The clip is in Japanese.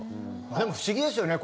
でも不思議ですよね。